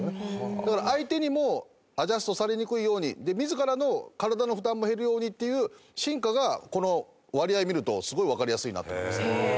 だから相手にもアジャストされにくいように自らの体の負担も減るようにっていう進化がこの割合見るとすごいわかりやすいなと思います。